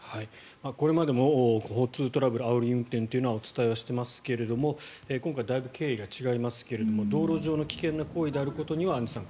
これまでも交通トラブルあおり運転というのはお伝えしていますが今回だいぶ経緯が違いますけども道路上の危険な行為であることには変わりません。